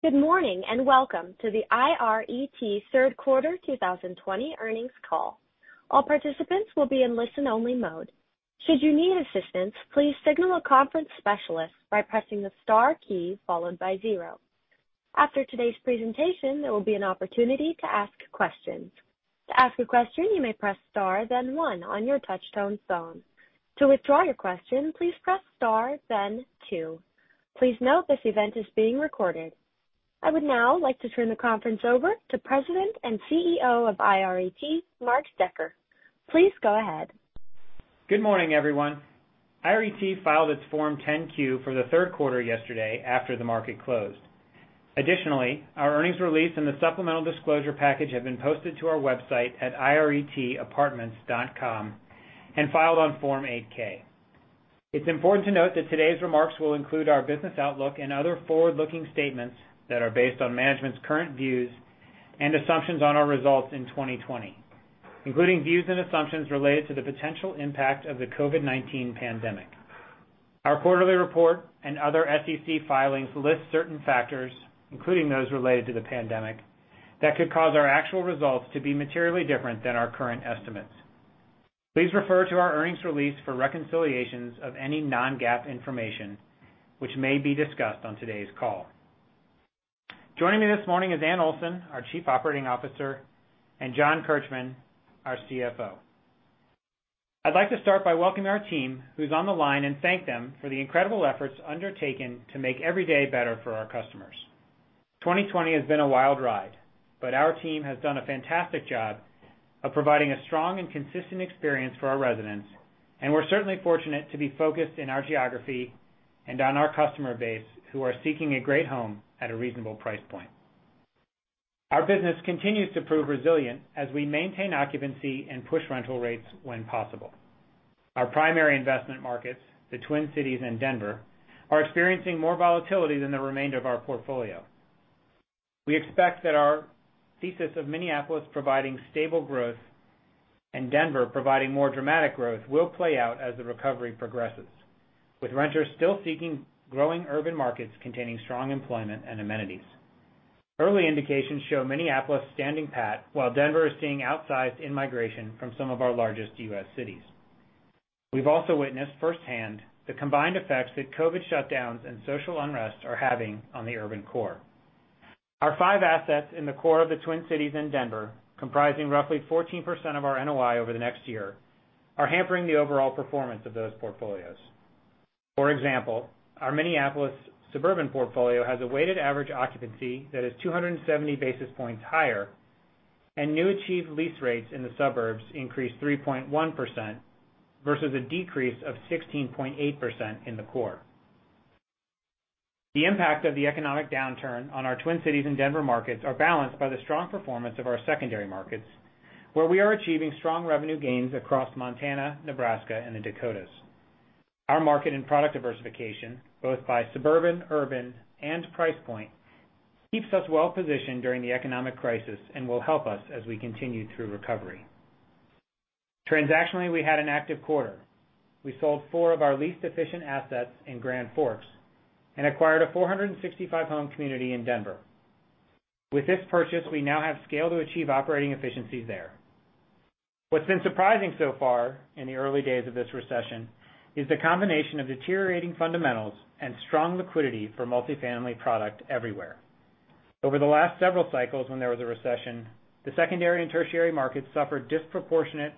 Good morning, and welcome to the IRET Third Quarter 2020 Earnings Call. All participants will be in listen-only mode. Should you need assistance, please signal a conference specialist by pressing the star key followed by zero. After today's presentation, there will be an opportunity to ask questions. To ask a question, you may press star then one on your touch-tone phone. To withdraw your question, please press star, then two. Please note, this event is being recorded. I would now like to turn the conference over to President and CEO of IRET, Mark Decker. Please go ahead. Good morning, everyone. IRET filed its Form 10-Q for the third quarter yesterday after the market closed. Our earnings release and the supplemental disclosure package have been posted to our website at iretapartments.com and filed on Form 8-K. It's important to note that today's remarks will include our business outlook and other forward-looking statements that are based on management's current views and assumptions on our results in 2020, including views and assumptions related to the potential impact of the COVID-19 pandemic. Our quarterly report and other SEC filings list certain factors, including those related to the pandemic, that could cause our actual results to be materially different than our current estimates. Please refer to our earnings release for reconciliations of any non-GAAP information which may be discussed on today's call. Joining me this morning is Anne Olson, our Chief Operating Officer, and John Kirchmann, our CFO. I'd like to start by welcoming our team who's on the line and thank them for the incredible efforts undertaken to make every day better for our customers. 2020 has been a wild ride, but our team has done a fantastic job of providing a strong and consistent experience for our residents, and we're certainly fortunate to be focused in our geography and on our customer base, who are seeking a great home at a reasonable price point. Our business continues to prove resilient as we maintain occupancy and push rental rates when possible. Our primary investment markets, the Twin Cities and Denver, are experiencing more volatility than the remainder of our portfolio. We expect that our thesis of Minneapolis providing stable growth and Denver providing more dramatic growth will play out as the recovery progresses, with renters still seeking growing urban markets containing strong employment and amenities. Early indications show Minneapolis standing pat while Denver is seeing outsized in-migration from some of our largest U.S. cities. We've also witnessed firsthand the combined effects that COVID-19 shutdowns and social unrest are having on the urban core. Our five assets in the core of the Twin Cities and Denver, comprising roughly 14% of our NOI over the next year, are hampering the overall performance of those portfolios. For example, our Minneapolis suburban portfolio has a weighted average occupancy that is 270 basis points higher, and new achieved lease rates in the suburbs increased 3.1% versus a decrease of 16.8% in the core. The impact of the economic downturn on our Twin Cities and Denver markets are balanced by the strong performance of our secondary markets, where we are achieving strong revenue gains across Montana, Nebraska, and the Dakotas. Our market and product diversification, both by suburban, urban, and price point, keeps us well positioned during the economic crisis and will help us as we continue through recovery. Transactionally, we had an active quarter. We sold four of our least efficient assets in Grand Forks and acquired a 465-home community in Denver. With this purchase, we now have scale to achieve operating efficiencies there. What's been surprising so far in the early days of this recession is the combination of deteriorating fundamentals and strong liquidity for multifamily product everywhere. Over the last several cycles when there was a recession, the secondary and tertiary markets suffered disproportionate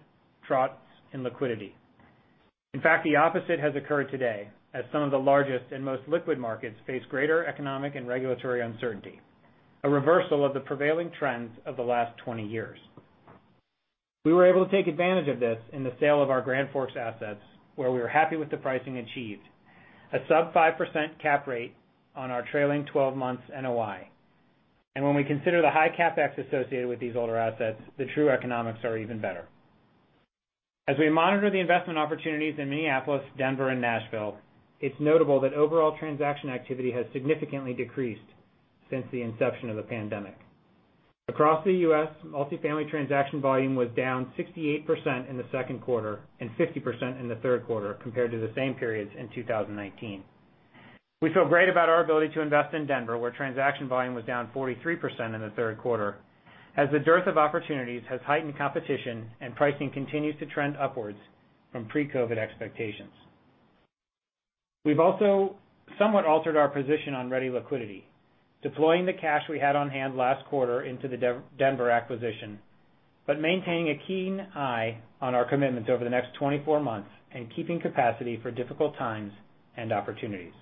troughs in liquidity. In fact, the opposite has occurred today, as some of the largest and most liquid markets face greater economic and regulatory uncertainty, a reversal of the prevailing trends of the last 20 years. We were able to take advantage of this in the sale of our Grand Forks assets, where we were happy with the pricing achieved, a sub 5% cap rate on our trailing 12 months NOI. When we consider the high CapEx associated with these older assets, the true economics are even better. As we monitor the investment opportunities in Minneapolis, Denver, and Nashville, it's notable that overall transaction activity has significantly decreased since the inception of the pandemic. Across the U.S., multifamily transaction volume was down 68% in the second quarter and 50% in the third quarter compared to the same periods in 2019. We feel great about our ability to invest in Denver, where transaction volume was down 43% in the third quarter, as the dearth of opportunities has heightened competition and pricing continues to trend upwards from pre-COVID expectations. We've also somewhat altered our position on ready liquidity, deploying the cash we had on hand last quarter into the Denver acquisition, but maintaining a keen eye on our commitments over the next 24 months and keeping capacity for difficult times and opportunities.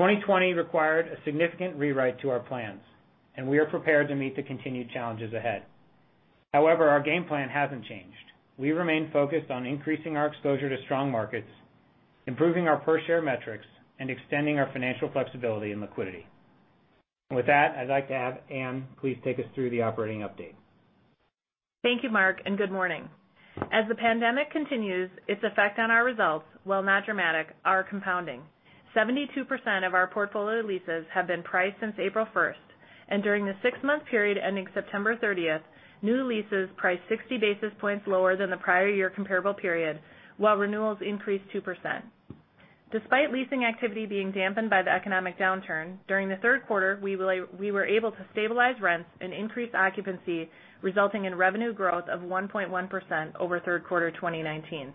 2020 required a significant rewrite to our plans, and we are prepared to meet the continued challenges ahead. However, our game plan hasn't changed. We remain focused on increasing our exposure to strong markets, improving our per-share metrics, and extending our financial flexibility and liquidity. With that, I'd like to have Anne please take us through the operating update. Thank you, Mark, and good morning. As the pandemic continues, its effect on our results, while not dramatic, are compounding. 72% of our portfolio leases have been priced since April 1st During the six-month period ending September 30th, new leases priced 60 basis points lower than the prior year comparable period, while renewals increased 2%. Despite leasing activity being dampened by the economic downturn, during the third quarter, we were able to stabilize rents and increase occupancy, resulting in revenue growth of 1.1% over third quarter 2019.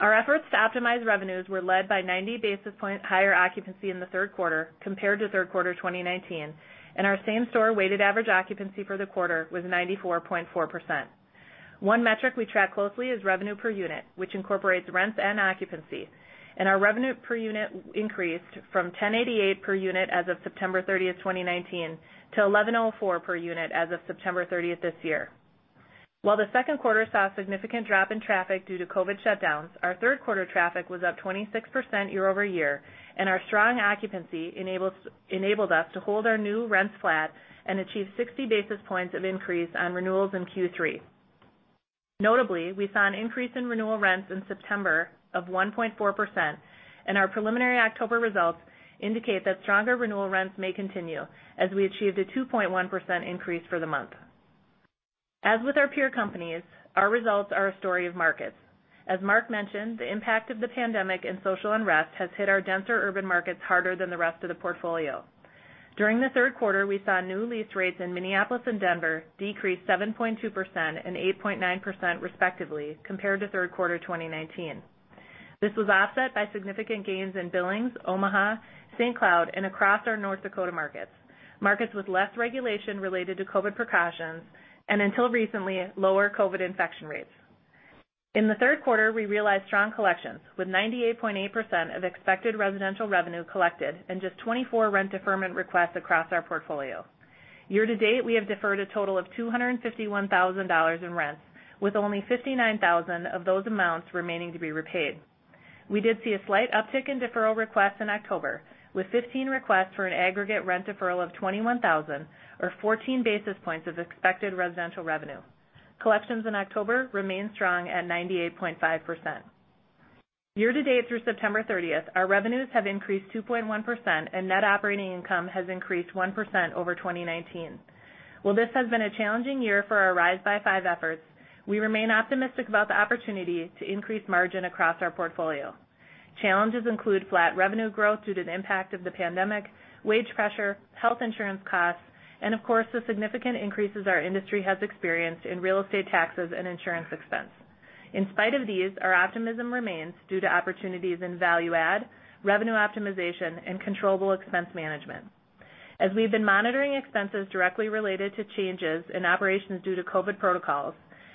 Our efforts to optimize revenues were led by 90 basis point higher occupancy in the third quarter compared to third quarter 2019, and our same store weighted average occupancy for the quarter was 94.4%. One metric we track closely is revenue per unit, which incorporates rents and occupancy. Our revenue per unit increased from $1,088 per unit as of September 30th, 2019 to $1,104 per unit as of September 30th this year. While the second quarter saw a significant drop in traffic due to COVID-19 shutdowns, our third quarter traffic was up 26% year-over-year, and our strong occupancy enabled us to hold our new rents flat and achieve 60 basis points of increase on renewals in Q3. Notably, we saw an increase in renewal rents in September of 1.4%, and our preliminary October results indicate that stronger renewal rents may continue, as we achieved a 2.1% increase for the month. As with our peer companies, our results are a story of markets. As Mark mentioned, the impact of the pandemic and social unrest has hit our denser urban markets harder than the rest of the portfolio. During the third quarter, we saw new lease rates in Minneapolis and Denver decrease 7.2% and 8.9% respectively, compared to third quarter 2019. This was offset by significant gains in Billings, Omaha, St. Cloud, and across our North Dakota markets with less regulation related to COVID precautions, and until recently, lower COVID infection rates. In the third quarter, we realized strong collections, with 98.8% of expected residential revenue collected and just 24 rent deferment requests across our portfolio. Year-to-date, we have deferred a total of $251,000 in rents, with only $59,000 of those amounts remaining to be repaid. We did see a slight uptick in deferral requests in October, with 15 requests for an aggregate rent deferral of $21,000, or 14 basis points of expected residential revenue. Collections in October remained strong at 98.5%. Year-to-date through September 30th, our revenues have increased 2.1% and net operating income has increased 1% over 2019. While this has been a challenging year for our Rise by 5 efforts, we remain optimistic about the opportunity to increase margin across our portfolio. Challenges include flat revenue growth due to the impact of the pandemic, wage pressure, health insurance costs, and of course, the significant increases our industry has experienced in real estate taxes and insurance expense. In spite of these, our optimism remains due to opportunities in value add, revenue optimization, and controllable expense management. As we've been monitoring expenses directly related to changes in operations due to COVID protocols,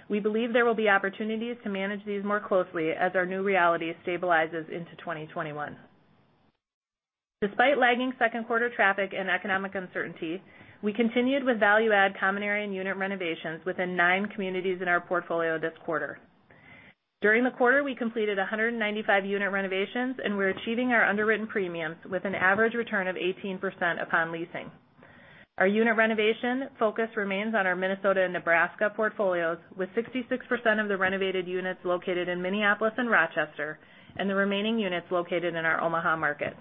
we believe there will be opportunities to manage these more closely as our new reality stabilizes into 2021. Despite lagging second quarter traffic and economic uncertainty, we continued with value add common area and unit renovations within nine communities in our portfolio this quarter. During the quarter, we completed 195 unit renovations, and we're achieving our underwritten premiums with an average return of 18% upon leasing. Our unit renovation focus remains on our Minnesota and Nebraska portfolios, with 66% of the renovated units located in Minneapolis and Rochester, and the remaining units located in our Omaha market.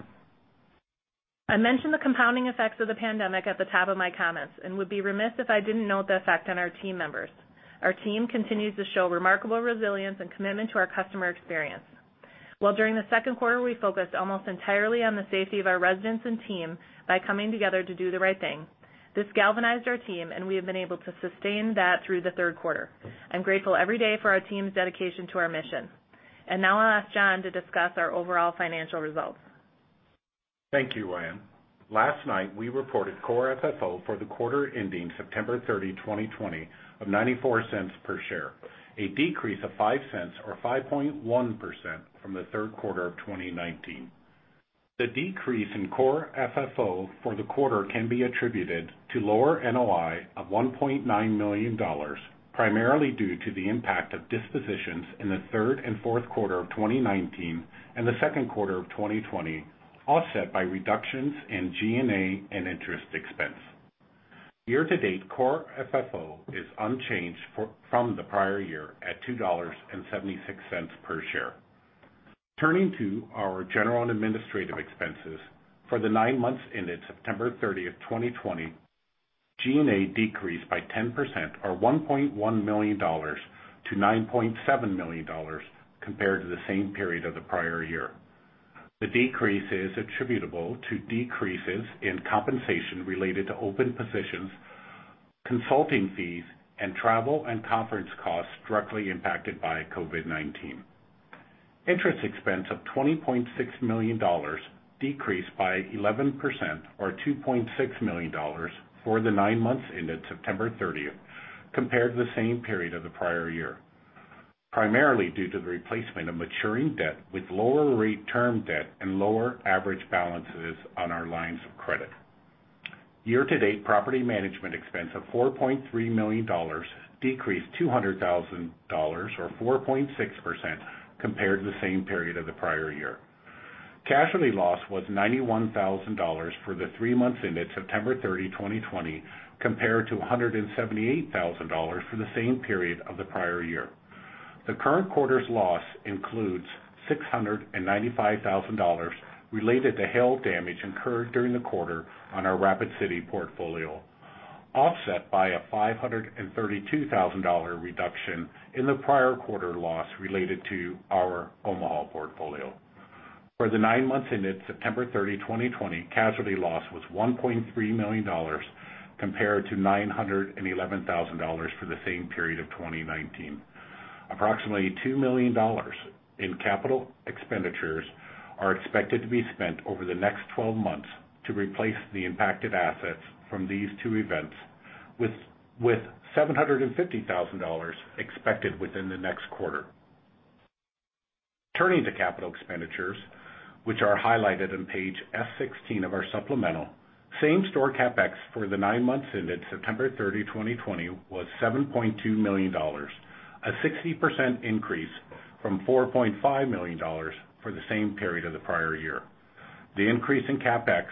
I mentioned the compounding effects of the pandemic at the top of my comments and would be remiss if I didn't note the effect on our team members. Our team continues to show remarkable resilience and commitment to our customer experience. While during the second quarter, we focused almost entirely on the safety of our residents and team by coming together to do the right thing. This galvanized our team, and we have been able to sustain that through the third quarter. I'm grateful every day for our team's dedication to our mission. Now I'll ask John to discuss our overall financial results. Thank you, Anne. Last night, we reported Core FFO for the quarter ending September 30, 2020 of $0.94 per share, a decrease of $0.05 or 5.1% from the third quarter of 2019. The decrease in Core FFO for the quarter can be attributed to lower NOI of $1.9 million, primarily due to the impact of dispositions in the third and fourth quarter of 2019 and the second quarter of 2020, offset by reductions in G&A and interest expense. Year-to-date, Core FFO is unchanged from the prior year at $2.76 per share. Turning to our general and administrative expenses, for the nine months ended September 30th, 2020, G&A decreased by 10% or $1.1 million to $9.7 million compared to the same period of the prior year. The decrease is attributable to decreases in compensation related to open positions, consulting fees, and travel and conference costs directly impacted by COVID-19. Interest expense of $20.6 million decreased by 11%, or $2.6 million, for the nine months ended September 30th, compared to the same period of the prior year, primarily due to the replacement of maturing debt with lower rate term debt and lower average balances on our lines of credit. Year-to-date, property management expense of $4.3 million decreased $200,000, or 4.6%, compared to the same period of the prior year. Casualty loss was $91,000 for the three months ended September 30, 2020, compared to $178,000 for the same period of the prior year. The current quarter's loss includes $695,000 related to hail damage incurred during the quarter on our Rapid City portfolio, offset by a $532,000 reduction in the prior quarter loss related to our Omaha portfolio. For the nine months ended September 30, 2020, casualty loss was $1.3 million compared to $911,000 for the same period of 2019. Approximately $2 million in capital expenditures are expected to be spent over the next 12 months to replace the impacted assets from these two events, with $750,000 expected within the next quarter. Turning to capital expenditures, which are highlighted on page S16 of our supplemental, same-store CapEx for the nine months ended September 30, 2020, was $7.2 million, a 60% increase from $4.5 million for the same period of the prior year. The increase in CapEx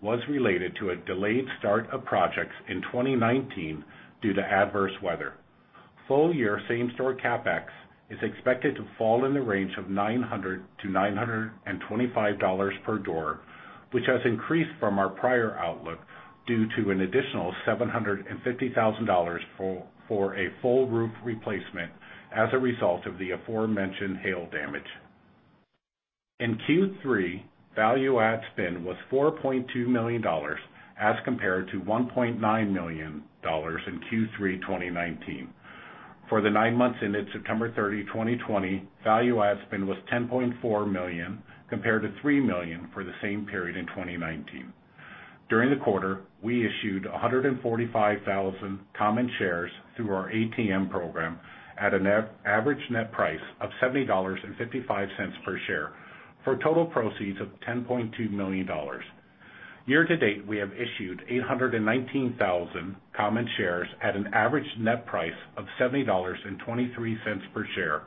was related to a delayed start of projects in 2019 due to adverse weather. Full-year same-store CapEx is expected to fall in the range of $900-$925 per door, which has increased from our prior outlook due to an additional $750,000 for a full roof replacement as a result of the aforementioned hail damage. In Q3, value add spend was $4.2 million as compared to $1.9 million in Q3 2019. For the nine months ended September 30, 2020, value add spend was $10.4 million compared to $3 million for the same period in 2019. During the quarter, we issued 145,000 common shares through our ATM program at an average net price of $70.55 per share for total proceeds of $10.2 million. Year-to-date, we have issued 819,000 common shares at an average net price of $70.23 per share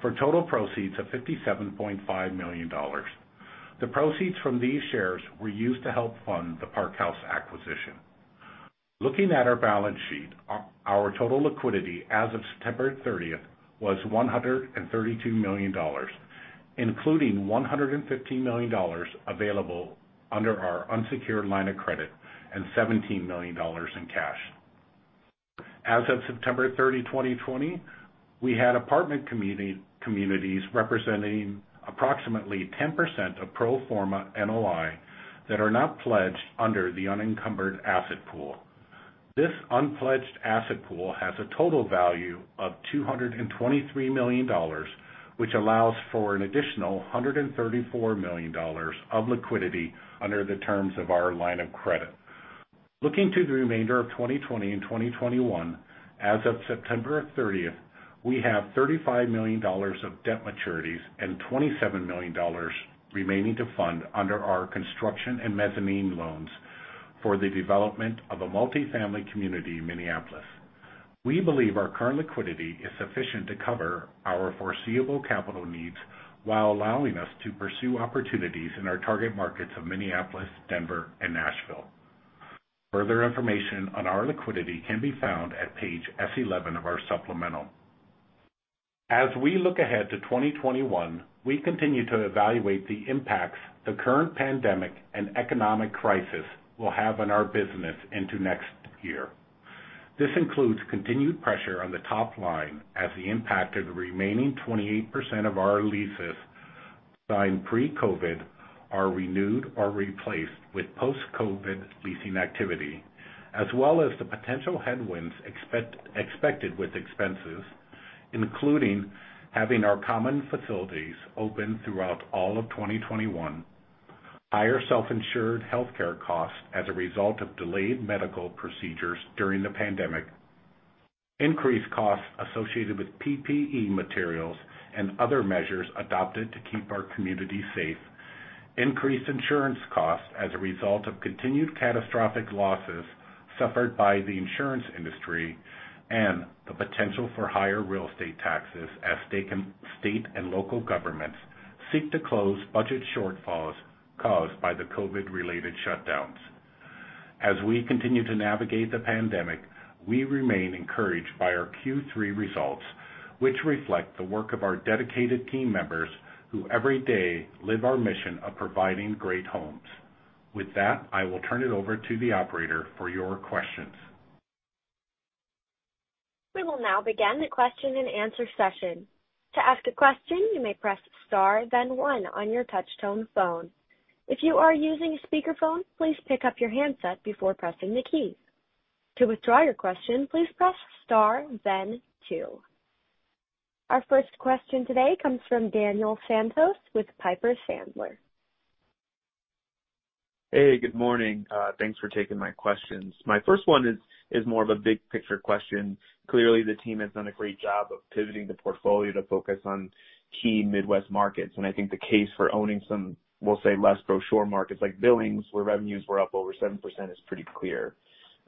for total proceeds of $57.5 million. The proceeds from these shares were used to help fund the Parkhouse acquisition. Looking at our balance sheet, our total liquidity as of September 30th was $132 million, including $115 million available under our unsecured line of credit and $17 million in cash. As of September 30, 2020, we had apartment communities representing approximately 10% of pro forma NOI that are not pledged under the unencumbered asset pool. This unpledged asset pool has a total value of $223 million, which allows for an additional $134 million of liquidity under the terms of our line of credit. Looking to the remainder of 2020 and 2021, as of September 30th, we have $35 million of debt maturities and $27 million remaining to fund under our construction and mezzanine loans for the development of a multi-family community in Minneapolis. We believe our current liquidity is sufficient to cover our foreseeable capital needs while allowing us to pursue opportunities in our target markets of Minneapolis, Denver, and Nashville. Further information on our liquidity can be found on page S11 of our supplemental. As we look ahead to 2021, we continue to evaluate the impacts the current pandemic and economic crisis will have on our business into next year. This includes continued pressure on the top line as the impact of the remaining 28% of our leases signed pre-COVID are renewed or replaced with post-COVID leasing activity, as well as the potential headwinds expected with expenses, including having our common facilities open throughout all of 2021. Higher self-insured healthcare costs as a result of delayed medical procedures during the pandemic, increased costs associated with PPE materials, and other measures adopted to keep our communities safe. Increased insurance costs as a result of continued catastrophic losses suffered by the insurance industry, and the potential for higher real estate taxes as state and local governments seek to close budget shortfalls caused by the COVID-19-related shutdowns. As we continue to navigate the pandemic, we remain encouraged by our Q3 results, which reflect the work of our dedicated team members who every day live our mission of providing great homes. With that, I will turn it over to the operator for your questions. We will now begin the question and answer session. To ask a question, you may press star then one on your touch-tone phone. If you are using speakerphone, please pick up your handset before pressing the key. To withdraw your question, please press star then two. Our first question today comes from Daniel Santos with Piper Sandler. Hey, good morning. Thanks for taking my questions. My first one is more of a big-picture question. Clearly, the team has done a great job of pivoting the portfolio to focus on key Midwest markets, and I think the case for owning some, we'll say less brochure markets like Billings, where revenues were up over 7% is pretty clear.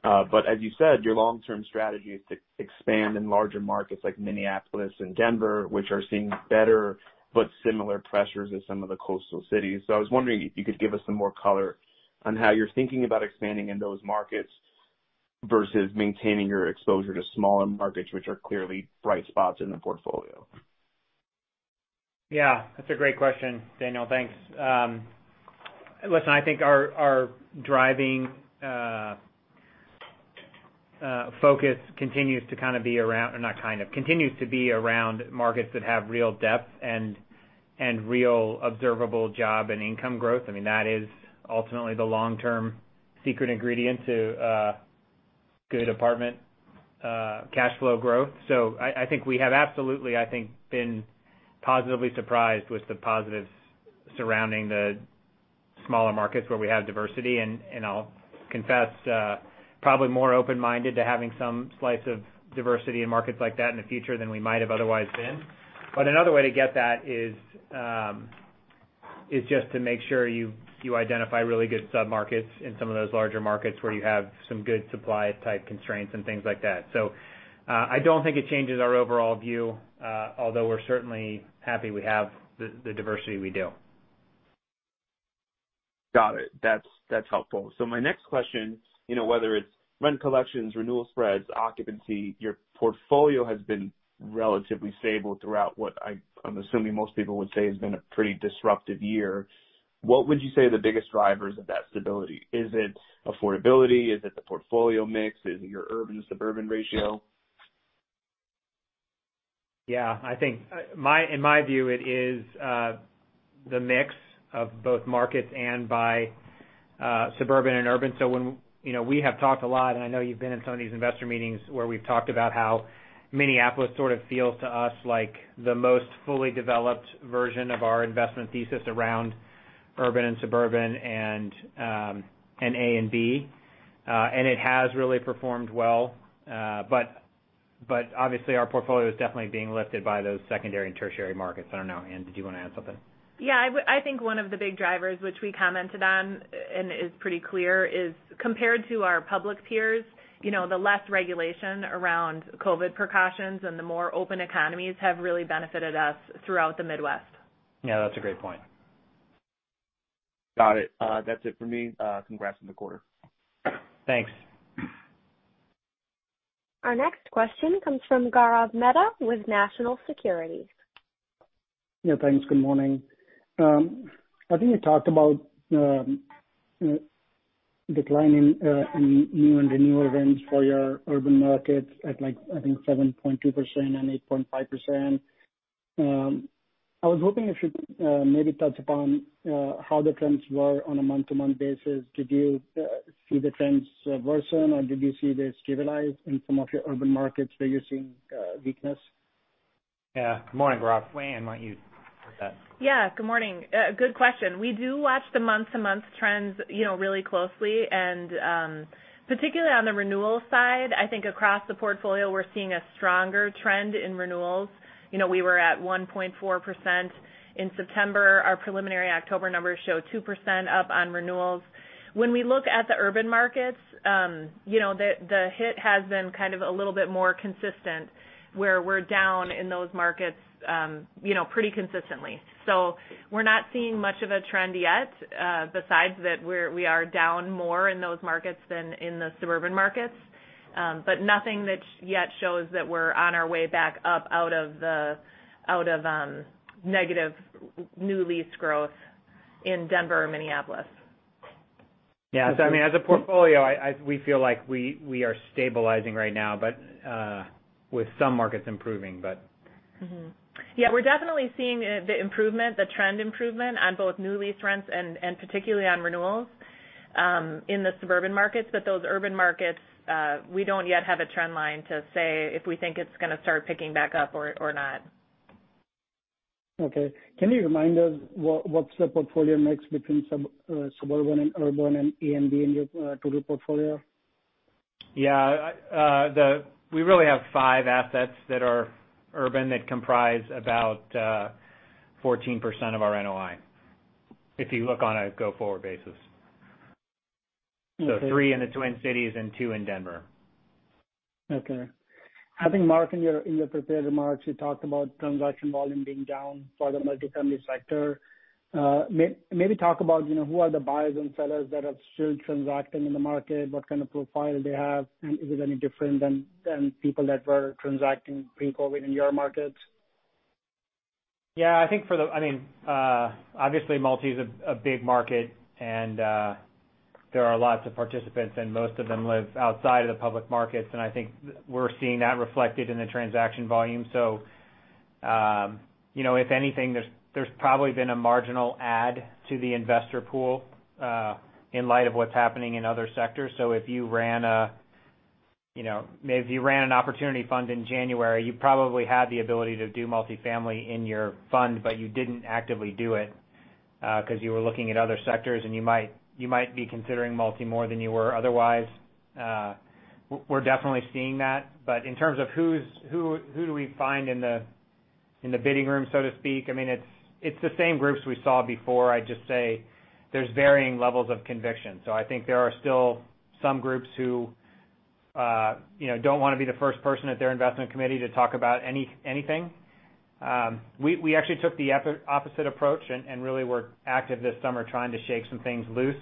As you said, your long-term strategy is to expand in larger markets like Minneapolis and Denver, which are seeing better but similar pressures as some of the coastal cities. I was wondering if you could give us some more color on how you're thinking about expanding in those markets, versus maintaining your exposure to smaller markets, which are clearly bright spots in the portfolio. That's a great question, Daniel. Thanks. Listen, I think our driving focus continues to be around markets that have real depth and real observable job and income growth. That is ultimately the long-term secret ingredient to good apartment cash flow growth. I think we have absolutely been positively surprised with the positives surrounding the smaller markets where we have diversity, and I'll confess, probably more open-minded to having some slice of diversity in markets like that in the future than we might have otherwise been. Another way to get that is just to make sure you identify really good sub-markets in some of those larger markets, where you have some good supply-type constraints and things like that. I don't think it changes our overall view, although we're certainly happy we have the diversity we do. Got it. That's helpful. My next question, whether it's rent collections, renewal spreads, occupancy, your portfolio has been relatively stable throughout what I'm assuming most people would say has been a pretty disruptive year. What would you say are the biggest drivers of that stability? Is it affordability? Is it the portfolio mix? Is it your urban-suburban ratio? In my view, it is the mix of both markets and by suburban and urban. We have talked a lot, and I know you've been in some of these investor meetings, where we've talked about how Minneapolis sort of feels to us like the most fully developed version of our investment thesis around urban and suburban and A and B, and it has really performed well. Obviously, our portfolio is definitely being lifted by those secondary and tertiary markets. I don't know, Anne, did you want to add something? I think one of the big drivers, which we commented on and is pretty clear, is compared to our public peers, the less regulation around COVID precautions and the more open economies have really benefited us throughout the Midwest. Yeah, that's a great point. Got it. That's it for me. Congrats on the quarter. Thanks. Our next question comes from Gaurav Mehta with National Securities. Yeah, thanks. Good morning. I think you talked about decline in new and renewal rents for your urban markets at like I think 7.2% and 8.5%. I was hoping if you could maybe touch upon how the trends were on a month-to-month basis. Did you see the trends worsen, or did you see they stabilized in some of your urban markets where you're seeing weakness? Yeah. Good morning, Gaurav. Anne, why don't you take that? Good morning. Good question. We do watch the month-to-month trends really closely, and particularly on the renewal side, I think across the portfolio, we're seeing a stronger trend in renewals. We were at 1.4% in September. Our preliminary October numbers show 2% up on renewals. When we look at the urban markets, the hit has been kind of a little bit more consistent, where we're down in those markets pretty consistently. We're not seeing much of a trend yet, besides that we are down more in those markets than in the suburban markets. Nothing that yet shows that we're on our way back up out of negative new lease growth in Denver or Minneapolis. Yeah. As a portfolio, we feel like we are stabilizing right now, but with some markets improving. We're definitely seeing the trend improvement on both new lease rents and particularly on renewals in the suburban markets. Those urban markets, we don't yet have a trend line to say if we think it's going to start picking back up or not. Okay. Can you remind us what's the portfolio mix between suburban and urban and A and B in your total portfolio? Yeah. We really have five assets that are urban that comprise about 14% of our NOI, if you look on a go-forward basis. Okay. three in the Twin Cities and two in Denver. I think, Mark, in your prepared remarks, you talked about transaction volume being down for the multifamily sector. Maybe talk about who are the buyers and sellers that are still transacting in the market, what kind of profile they have, and is it any different than people that were transacting pre-COVID in your markets? Yeah. Obviously, multi is a big market, and there are lots of participants, and most of them live outside of the public markets, and I think we're seeing that reflected in the transaction volume. If anything, there's probably been a marginal add to the investor pool in light of what's happening in other sectors. If you ran an opportunity fund in January, you probably had the ability to do multifamily in your fund, but you didn't actively do it because you were looking at other sectors, and you might be considering multi more than you were otherwise. We're definitely seeing that. In terms of who do we find in the bidding room, so to speak, it's the same groups we saw before. I'd just say there's varying levels of conviction. I think there are still some groups who don't want to be the first person at their investment committee to talk about anything. We actually took the opposite approach and really were active this summer trying to shake some things loose.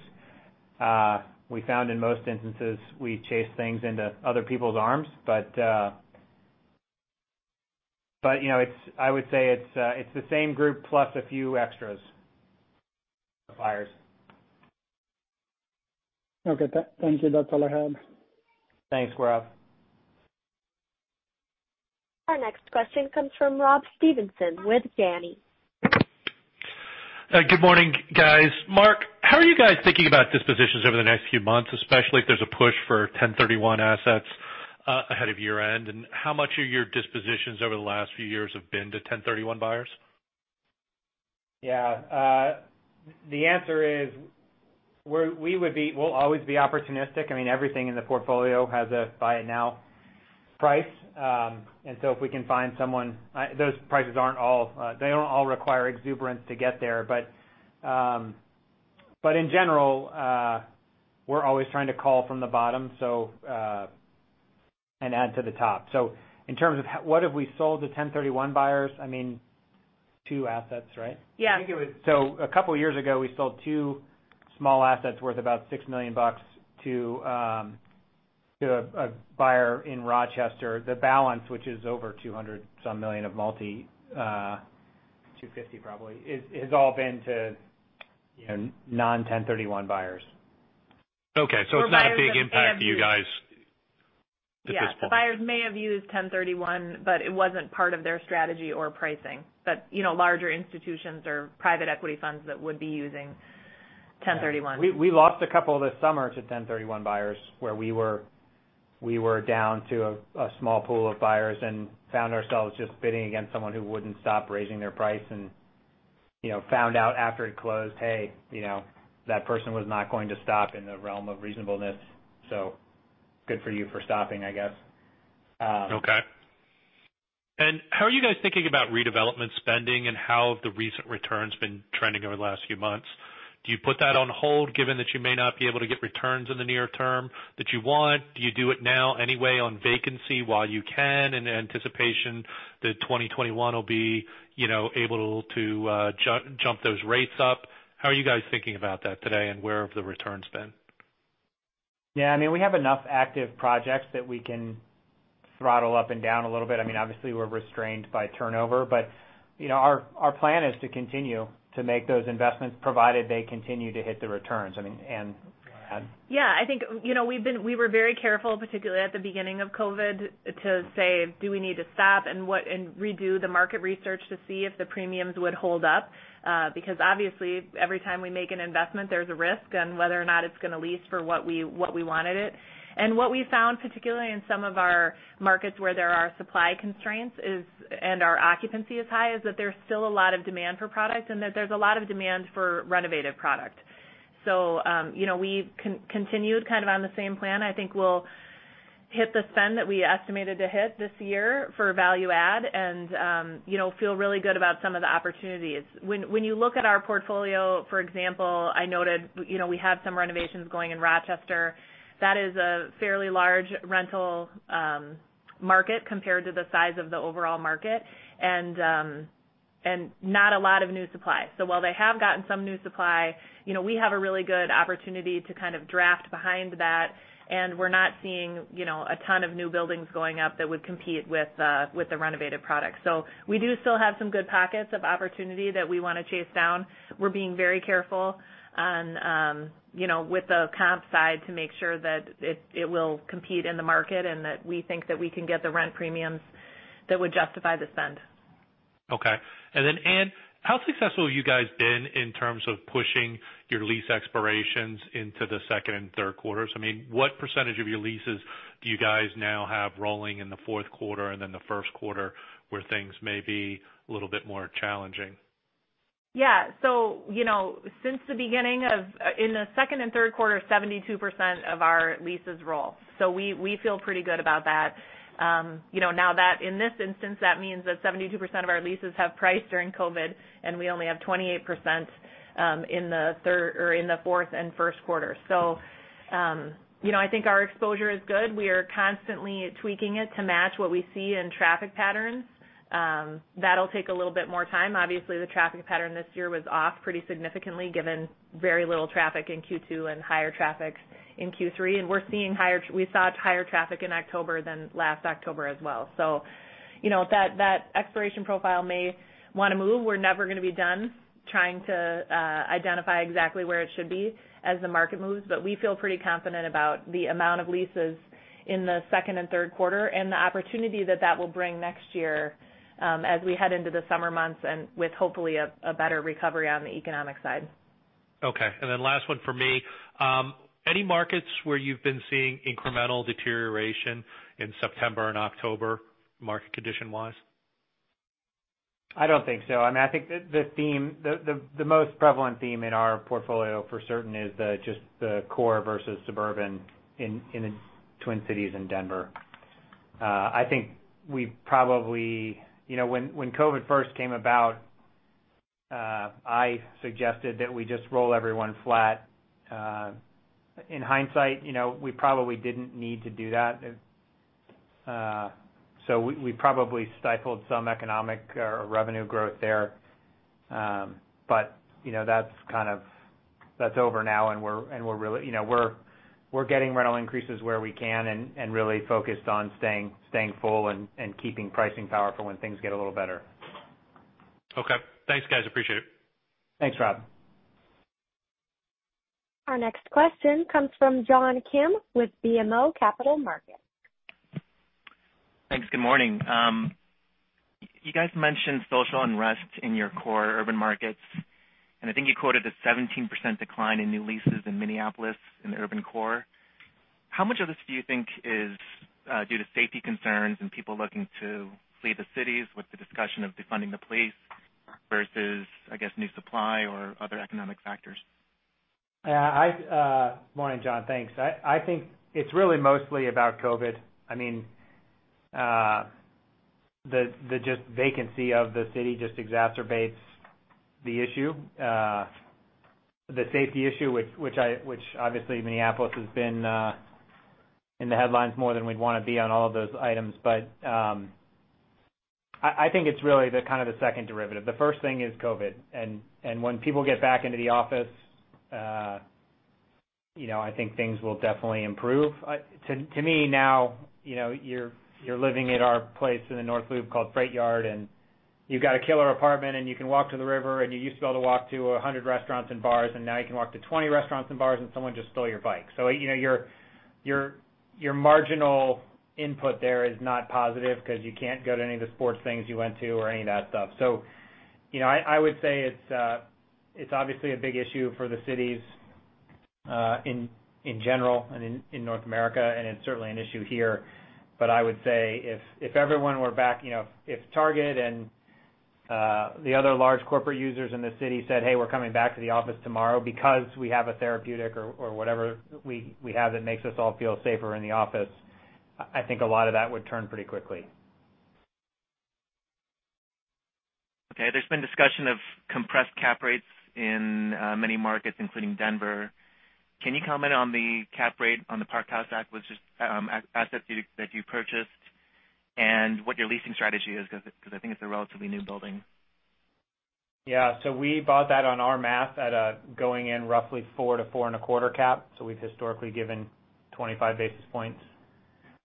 We found in most instances, we chase things into other people's arms. I would say it's the same group plus a few extra buyers. Okay. Thank you. That's all I had. Thanks, Gaurav. Our next question comes from Rob Stevenson with Janney. Good morning, guys. Mark, how are you guys thinking about dispositions over the next few months, especially if there's a push for 1031 assets ahead of year-end? How much of your dispositions over the last few years have been to 1031 buyers? Yeah. The answer is, we'll always be opportunistic. Everything in the portfolio has a buy it now price. If we can find someone, those prices, they don't all require exuberance to get there. In general, we're always trying to call from the bottom and add to the top. In terms of what have we sold to 1031 buyers? Two assets, right? Yeah. A couple of years ago, we sold two small assets worth about $6 million to a buyer in Rochester. The balance, which is over $200 some million of multi, $250 million probably, has all been to non-1031 buyers. Okay. It's not a big impact for you guys at this point. Yeah. Buyers may have used 1031, but it wasn't part of their strategy or pricing. Larger institutions or private equity funds that would be using 1031. We lost a couple this summer to 1031 buyers where we were down to a small pool of buyers and found ourselves just bidding against someone who wouldn't stop raising their price, and found out after it closed, hey, that person was not going to stop in the realm of reasonableness. Good for you for stopping, I guess. Okay. How are you guys thinking about redevelopment spending and how have the recent returns been trending over the last few months? Do you put that on hold given that you may not be able to get returns in the near term that you want? Do you do it now anyway on vacancy while you can in anticipation that 2021 will be able to jump those rates up? How are you guys thinking about that today, and where have the returns been? Yeah. We have enough active projects that we can throttle up and down a little bit. Obviously, we're restrained by turnover, but our plan is to continue to make those investments provided they continue to hit the returns. Anne, do you want to add? Yeah. I think we were very careful, particularly at the beginning of COVID, to say, do we need to stop and redo the market research to see if the premiums would hold up? Because obviously, every time we make an investment, there's a risk on whether or not it's going to lease for what we wanted it. What we found, particularly in some of our markets where there are supply constraints and our occupancy is high, is that there's still a lot of demand for product, and that there's a lot of demand for renovated product. We've continued on the same plan. I think we'll hit the spend that we estimated to hit this year for value add and feel really good about some of the opportunities. When you look at our portfolio, for example, I noted we have some renovations going in Rochester. That is a fairly large rental market compared to the size of the overall market, not a lot of new supply. While they have gotten some new supply, we have a really good opportunity to draft behind that, we're not seeing a ton of new buildings going up that would compete with the renovated product. We do still have some good pockets of opportunity that we want to chase down. We're being very careful with the comp side to make sure that it will compete in the market, that we think that we can get the rent premiums that would justify the spend. Okay. Anne, how successful have you guys been in terms of pushing your lease expirations into the second and third quarters? What percentage of your leases do you guys now have rolling in the fourth quarter and then the first quarter where things may be a little bit more challenging? Yeah. In the second and third quarter, 72% of our leases roll. We feel pretty good about that. In this instance, that means that 72% of our leases have priced during COVID, and we only have 28% in the fourth and first quarter. I think our exposure is good. We are constantly tweaking it to match what we see in traffic patterns. That'll take a little bit more time. Obviously, the traffic pattern this year was off pretty significantly given very little traffic in Q2 and higher traffic in Q3. We saw higher traffic in October than last October as well. That expiration profile may want to move. We're never going to be done trying to identify exactly where it should be as the market moves, but we feel pretty confident about the amount of leases in the second and third quarter and the opportunity that that will bring next year as we head into the summer months and with hopefully a better recovery on the economic side. Okay. Last one for me. Any markets where you've been seeing incremental deterioration in September and October, market condition-wise? I don't think so. I think the most prevalent theme in our portfolio for certain is just the core versus suburban in the Twin Cities in Denver. When COVID first came about, I suggested that we just roll everyone flat. In hindsight, we probably didn't need to do that. We probably stifled some economic or revenue growth there. That's over now, and we're getting rental increases where we can and really focused on staying full and keeping pricing powerful when things get a little better. Okay. Thanks, guys. Appreciate it. Thanks, Rob. Our next question comes from John Kim with BMO Capital Markets. Thanks. Good morning. You guys mentioned social unrest in your core urban markets, and I think you quoted a 17% decline in new leases in Minneapolis, in the urban core. How much of this do you think is due to safety concerns and people looking to flee the cities with the discussion of defunding the police versus, I guess, new supply or other economic factors? Morning, John. Thanks. I think it's really mostly about COVID. The vacancy of the city just exacerbates the issue. The safety issue, which obviously Minneapolis has been in the headlines more than we'd want to be on all of those items. I think it's really the second derivative. The first thing is COVID. When people get back into the office, I think things will definitely improve. To me now, you're living at our place in the North Loop called FreightYard, and you've got a killer apartment, and you can walk to the river, and you used to be able to walk to 100 restaurants and bars, and now you can walk to 20 restaurants and bars, and someone just stole your bike. Your marginal input there is not positive because you can't go to any of the sports things you went to or any of that stuff. I would say it's obviously a big issue for the cities in general and in North America, and it's certainly an issue here. I would say if everyone were back, if Target and the other large corporate users in the city said, "Hey, we're coming back to the office tomorrow because we have a therapeutic or whatever we have that makes us all feel safer in the office," I think a lot of that would turn pretty quickly. There's been discussion of compressed cap rates in many markets, including Denver. Can you comment on the cap rate on the Parkhouse asset that you purchased and what your leasing strategy is? Because I think it's a relatively new building. Yeah. We bought that on our math at a going-in roughly 4-4.25 cap. We've historically given 25 basis points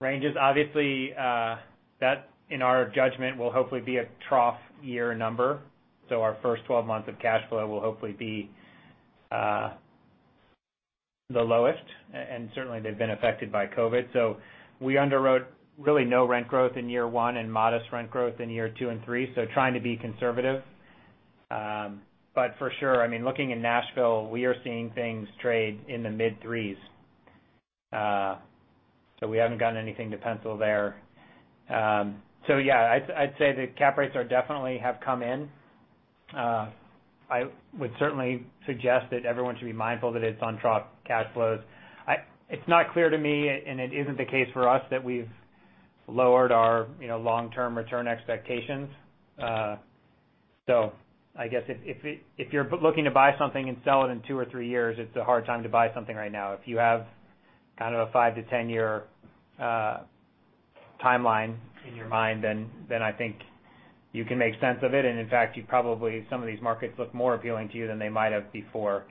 ranges. Obviously, that, in our judgment, will hopefully be a trough year number. Our first 12 months of cash flow will hopefully be the lowest, and certainly they've been affected by COVID. We underwrote really no rent growth in year one and modest rent growth in year two and three, so trying to be conservative. For sure, looking in Nashville, we are seeing things trade in the mid-threes. We haven't gotten anything to pencil there. Yeah, I'd say the cap rates definitely have come in. I would certainly suggest that everyone should be mindful that it's on trough cash flows. It's not clear to me, and it isn't the case for us, that we've lowered our long-term return expectations. I guess if you're looking to buy something and sell it in two or three years, it's a hard time to buy something right now. If you have kind of a 5-10-year timeline in your mind, then I think you can make sense of it. In fact, probably some of these markets look more appealing to you than they might have before.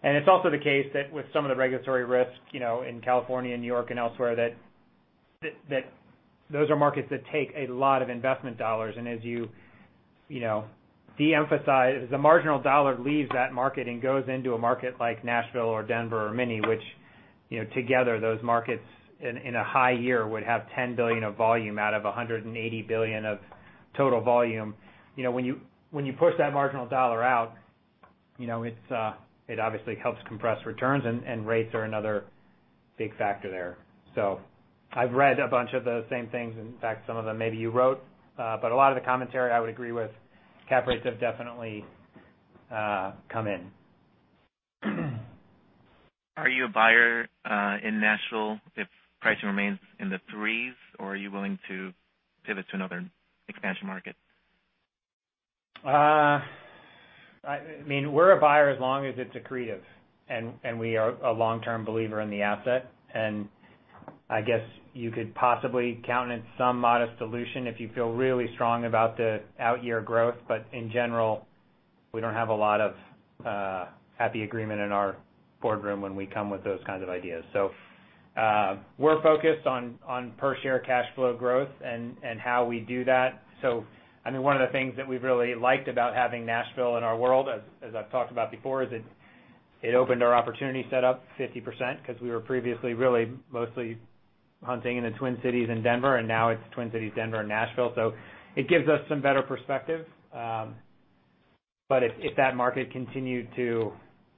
It's also the case that with some of the regulatory risks in California and New York and elsewhere, that those are markets that take a lot of investment dollars. As the marginal dollar leaves that market and goes into a market like Nashville or Denver or Minny, which together those markets in a high year would have $10 billion of volume out of $180 billion of total volume. When you push that marginal dollar out, it obviously helps compress returns, and rates are another big factor there. I've read a bunch of the same things. In fact, some of them maybe you wrote. A lot of the commentary I would agree with. Cap rates have definitely come in. Are you a buyer in Nashville if pricing remains in the threes, or are you willing to pivot to another expansion market? We're a buyer as long as it's accretive, and we are a long-term believer in the asset. I guess you could possibly count in some modest dilution if you feel really strong about the out-year growth. In general, we don't have a lot of happy agreement in our boardroom when we come with those kinds of ideas. We're focused on per-share cash flow growth and how we do that. One of the things that we've really liked about having Nashville in our world, as I've talked about before, is it opened our opportunity set up 50%, because we were previously really mostly hunting in the Twin Cities in Denver, and now it's Twin Cities, Denver, and Nashville. It gives us some better perspective. If that market continued to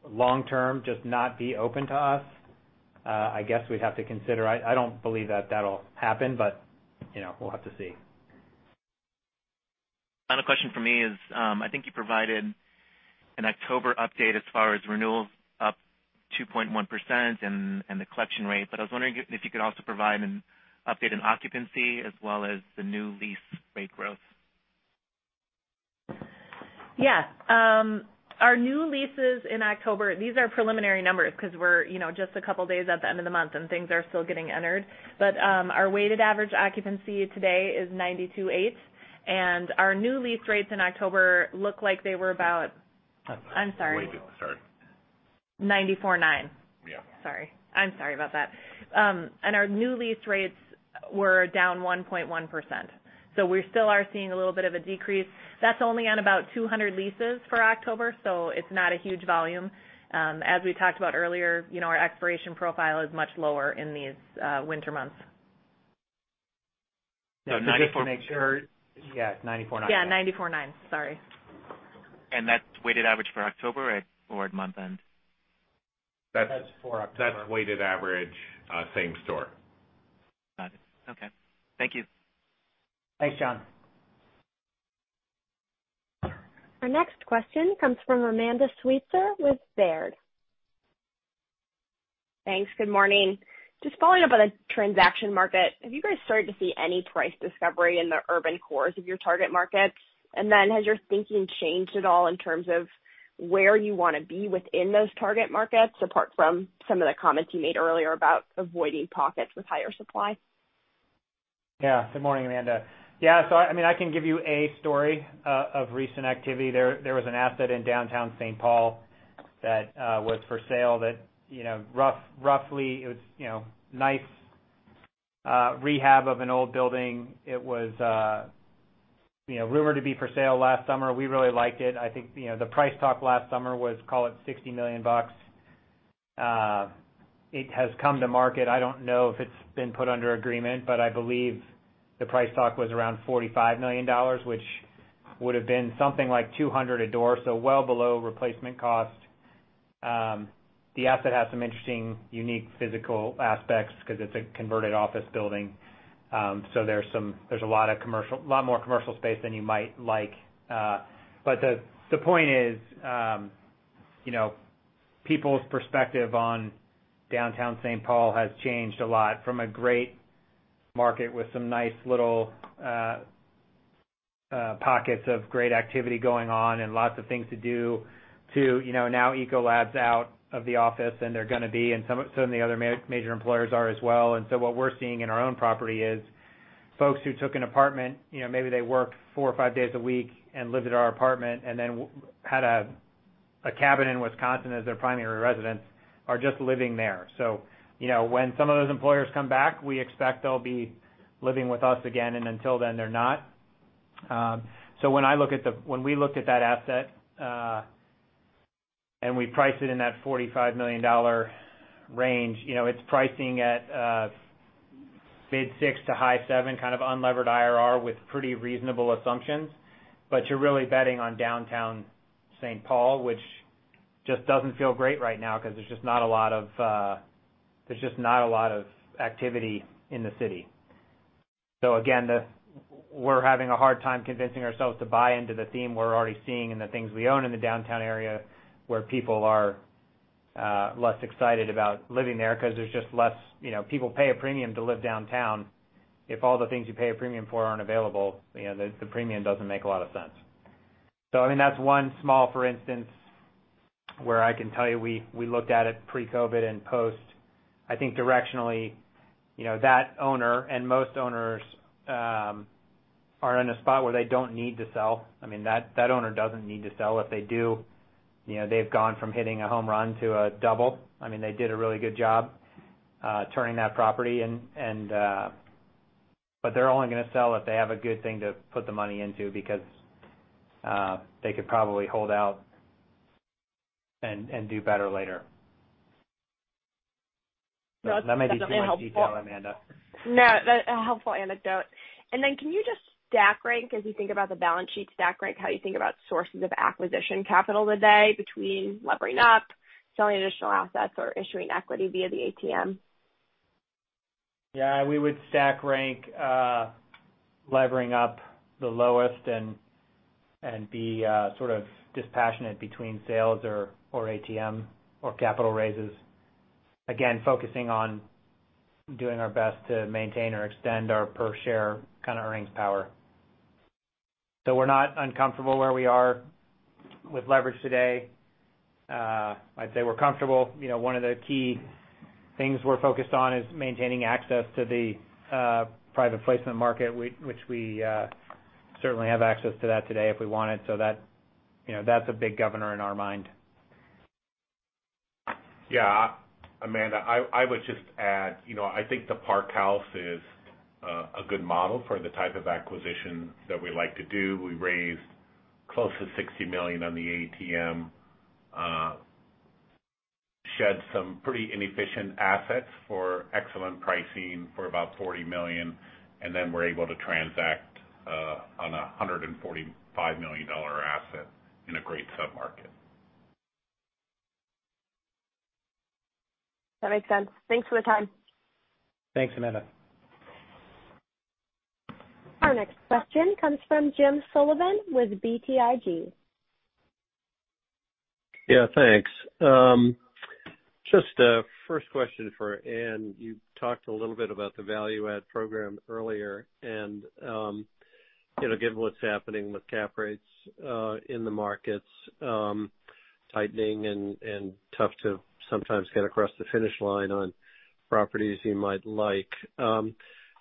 long-term just not be open to us, I guess we'd have to consider. I don't believe that that'll happen, but we'll have to see. Final question from me is, I think you provided an October update as far as renewals up 2.1% and the collection rate. I was wondering if you could also provide an update on occupancy as well as the new lease rate growth. Yes. Our new leases in October, these are preliminary numbers because we're just a couple days at the end of the month and things are still getting entered. Our weighted average occupancy today is 92.8. Our new lease rates in October look like they were about I'm sorry. Weighted. Sorry. 94.9. Yeah. Sorry. I'm sorry about that. Our new lease rates were down 1.1%. We still are seeing a little bit of a decrease. That's only on about 200 leases for October, so it's not a huge volume. As we talked about earlier, our expiration profile is much lower in these winter months. So 94. Just to make sure. Yeah, 94.9. Yeah, 94.9. Sorry. That's weighted average for October or at month-end? That's- That's for October. that's weighted average same store. Got it. Okay. Thank you. Thanks, John. Our next question comes from Amanda Sweitzer with Baird. Thanks. Good morning. Just following up on the transaction market, have you guys started to see any price discovery in the urban cores of your target markets? Has your thinking changed at all in terms of where you want to be within those target markets, apart from some of the comments you made earlier about avoiding pockets with higher supply? Good morning, Amanda. I can give you a story of recent activity there. There was an asset in downtown St. Paul that was for sale that roughly it was nice rehab of an old building. It was rumored to be for sale last summer. We really liked it. I think, the price talk last summer was, call it, $60 million. It has come to market. I don't know if it's been put under agreement, but I believe the price talk was around $45 million, which would've been something like 200 a door, so well below replacement cost. The asset has some interesting, unique physical aspects because it's a converted office building. There's a lot more commercial space than you might like. The point is, people's perspective on downtown St. Paul has changed a lot from a great market with some nice little pockets of great activity going on and lots of things to do to, now Ecolab's out of the office, and they're gonna be, and some of the other major employers are as well. What we're seeing in our own property is folks who took an apartment, maybe they work four or five days a week and lived at our apartment, and then had a cabin in Wisconsin as their primary residence, are just living there. When some of those employers come back, we expect they'll be living with us again, and until then, they're not. When we looked at that asset, and we priced it in that $45 million range, it's pricing at mid six to high seven kind of unlevered IRR with pretty reasonable assumptions. You're really betting on downtown St. Paul, which just doesn't feel great right now because there's just not a lot of activity in the city. Again, we're having a hard time convincing ourselves to buy into the theme we're already seeing in the things we own in the downtown area, where people are less excited about living there because there's just less People pay a premium to live downtown. If all the things you pay a premium for aren't available, the premium doesn't make a lot of sense. That's one small, for instance, where I can tell you we looked at it pre-COVID and post. I think directionally, that owner and most owners are in a spot where they don't need to sell. That owner doesn't need to sell. If they do, they've gone from hitting a home run to a double. They did a really good job turning that property, but they're only gonna sell if they have a good thing to put the money into because they could probably hold out and do better later. That may be too much detail, Amanda. No, that's a helpful anecdote. Then can you just stack rank as you think about the balance sheet, stack rank how you think about sources of acquisition capital today between levering up, selling additional assets, or issuing equity via the ATM? Yeah. We would stack rank levering up the lowest and be sort of dispassionate between sales or ATM or capital raises. Again, focusing on doing our best to maintain or extend our per share kind of earnings power. We're not uncomfortable where we are with leverage today. I'd say we're comfortable. One of the key things we're focused on is maintaining access to the private placement market, which we certainly have access to that today if we wanted. That's a big governor in our mind. Yeah. Amanda, I would just add, I think Parkhouse Apartment Homes is a good model for the type of acquisition that we like to do. We raised close to $60 million on the ATM. Shed some pretty inefficient assets for excellent pricing for about $40 million. We're able to transact on $145 million asset in a great sub-market. That makes sense. Thanks for the time. Thanks, Amanda. Our next question comes from Jim Sullivan with BTIG. Yeah, thanks. Just a first question for Anne. You talked a little bit about the value add program earlier and given what's happening with cap rates, in the markets tightening and tough to sometimes get across the finish line on properties you might like,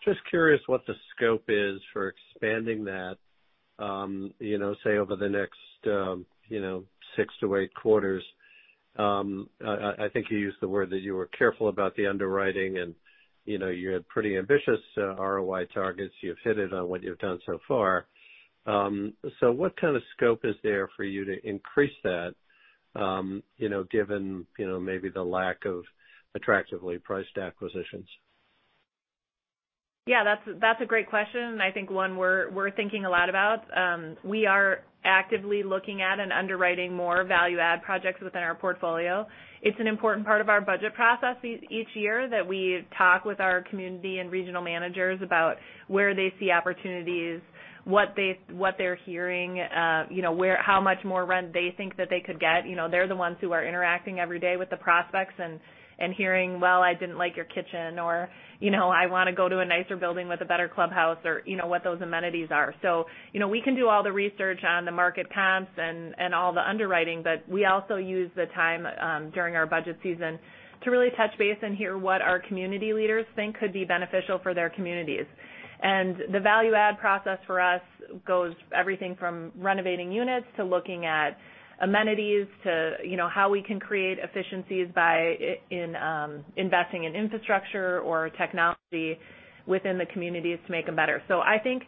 just curious what the scope is for expanding that say, over the next six to eight quarters. I think you used the word that you were careful about the underwriting and you had pretty ambitious ROI targets. You've hit it on what you've done so far. What kind of scope is there for you to increase that given maybe the lack of attractively priced acquisitions? Yeah, that's a great question, and I think one we're thinking a lot about. We are actively looking at and underwriting more value add projects within our portfolio. It's an important part of our budget process each year that we talk with our community and regional managers about where they see opportunities, what they're hearing, how much more rent they think that they could get. They're the ones who are interacting every day with the prospects and hearing, well, I didn't like your kitchen, or I want to go to a nicer building with a better clubhouse or what those amenities are. We can do all the research on the market comps and all the underwriting, but we also use the time during our budget season to really touch base and hear what our community leaders think could be beneficial for their communities. The value add process for us goes everything from renovating units to looking at amenities to how we can create efficiencies by investing in infrastructure or technology within the communities to make them better. I think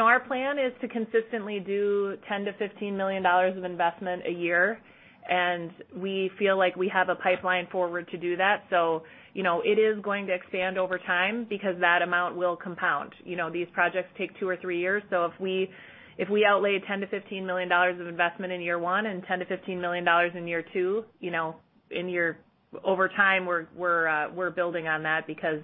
our plan is to consistently do $10 million-$15 million of investment a year, and we feel like we have a pipeline forward to do that. It is going to expand over time because that amount will compound. These projects take 2 or 3 years. If we outlay $10 million-$15 million of investment in year 1 and $10 million-$15 million in year 2, over time, we're building on that because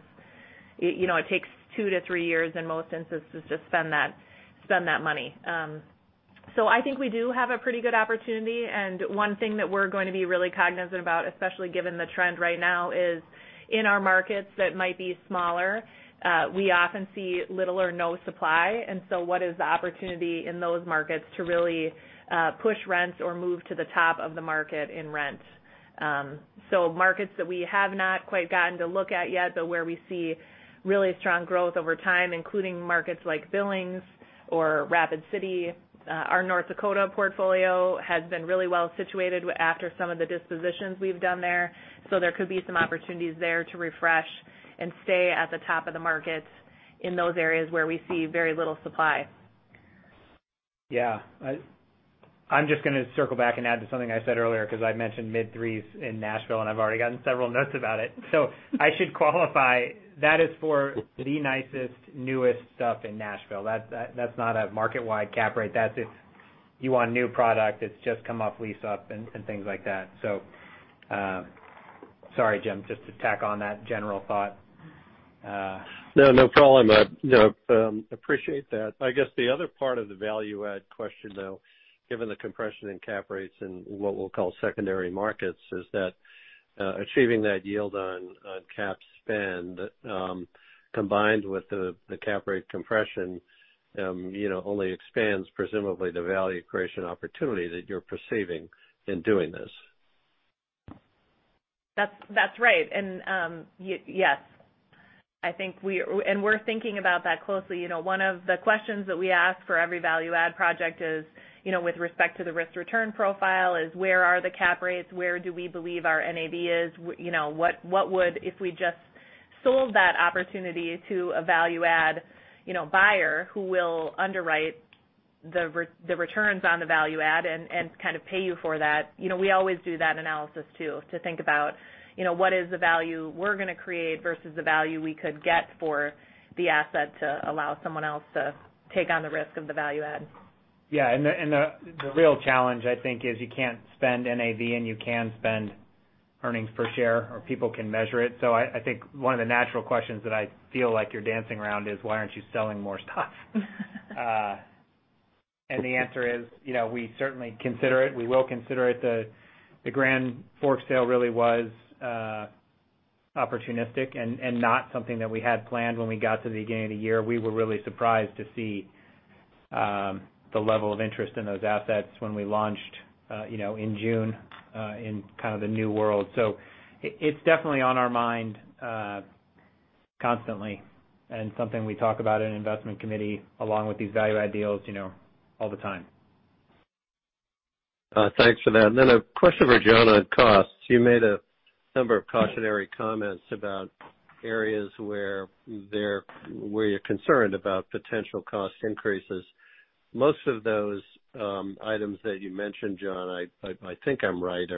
it takes 2-3 years in most instances to spend that money. I think we do have a pretty good opportunity, and one thing that we're going to be really cognizant about, especially given the trend right now, is in our markets that might be smaller, we often see little or no supply, and so what is the opportunity in those markets to really push rents or move to the top of the market in rent? Markets that we have not quite gotten to look at yet, but where we see really strong growth over time, including markets like Billings or Rapid City. Our North Dakota portfolio has been really well situated after some of the dispositions we've done there, so there could be some opportunities there to refresh and stay at the top of the markets in those areas where we see very little supply. Yeah. I'm just going to circle back and add to something I said earlier because I mentioned mid-threes in Nashville, and I've already gotten several notes about it. I should qualify, that is for the nicest, newest stuff in Nashville. That's not a market-wide cap rate. That's if you want new product that's just come off lease-up and things like that. Sorry, Jim, just to tack on that general thought. No, no problem. Appreciate that. I guess the other part of the value add question, though, given the compression in cap rates in what we'll call secondary markets, is that achieving that yield on cap spend, combined with the cap rate compression only expands presumably the value creation opportunity that you're perceiving in doing this. That's right. Yes. We're thinking about that closely. One of the questions that we ask for every value add project is, with respect to the risk return profile, is where are the cap rates? Where do we believe our NAV is? What would, if we just sold that opportunity to a value add buyer who will underwrite the returns on the value add and kind of pay you for that. We always do that analysis too, to think about what is the value we're going to create versus the value we could get for the asset to allow someone else to take on the risk of the value add. The real challenge, I think is you can't spend NAV and you can spend earnings per share or people can measure it. I think one of the natural questions that I feel like you're dancing around is: Why aren't you selling more stuff? The answer is, we certainly consider it. We will consider it. The Grand Forks sale really was opportunistic and not something that we had planned when we got to the beginning of the year. We were really surprised to see the level of interest in those assets when we launched in June, in kind of the new world. It's definitely on our mind constantly and something we talk about in investment committee along with these value add deals all the time. Thanks for that. A question for John on costs. You made a number of cautionary comments about areas where you're concerned about potential cost increases. Most of those items that you mentioned, John, I think I'm right,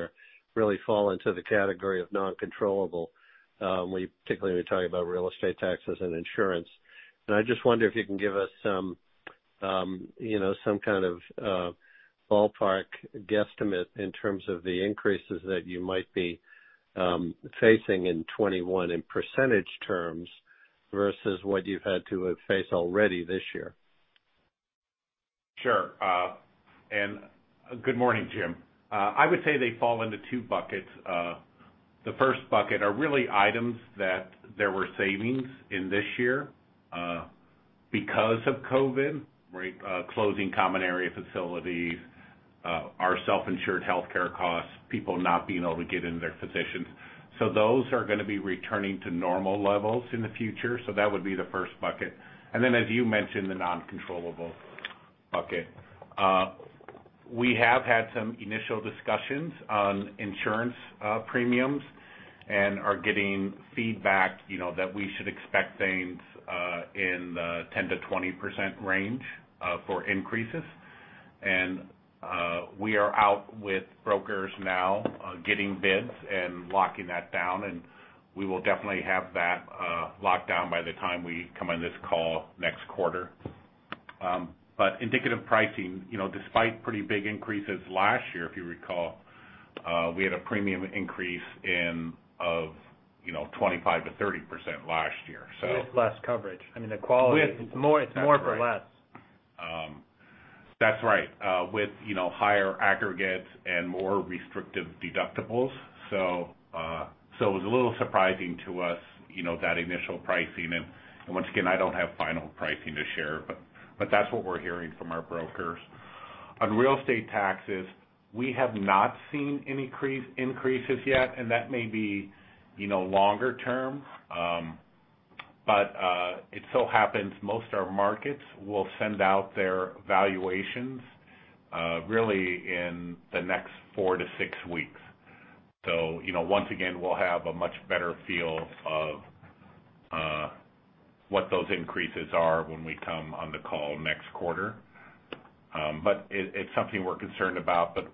really fall into the category of non-controllable, particularly when you're talking about real estate taxes and insurance. I just wonder if you can give us some kind of ballpark guesstimate in terms of the increases that you might be facing in 2021 in percentage terms versus what you've had to have faced already this year. Sure. Good morning, Jim. I would say they fall into two buckets. The first bucket are really items that there were savings in this year because of COVID. Closing common area facilities, our self-insured healthcare costs, people not being able to get into their physicians. Those are going to be returning to normal levels in the future. That would be the first bucket. As you mentioned, the non-controllable bucket. We have had some initial discussions on insurance premiums and are getting feedback that we should expect things in the 10%-20% range for increases. We are out with brokers now getting bids and locking that down. We will definitely have that locked down by the time we come on this call next quarter. Indicative pricing, despite pretty big increases last year, if you recall, we had a premium increase of 25%-30% last year. With less coverage. It's more for less. That's right. With higher aggregates and more restrictive deductibles. It was a little surprising to us, that initial pricing, and once again, I don't have final pricing to share, but that's what we're hearing from our brokers. On real estate taxes, we have not seen any increases yet, and that may be longer term. But it so happens most our markets will send out their valuations really in the next 4-6 weeks. Once again, we'll have a much better feel of what those increases are when we come on the call next quarter. It's something we're concerned about, but